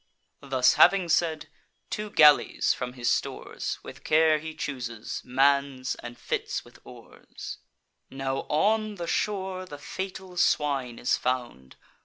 Thus having said, two galleys from his stores, With care he chooses, mans, and fits with oars. Now on the shore the fatal swine is found.